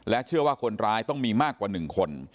เชื่อว่าคนร้ายต้องมีมากกว่า๑คน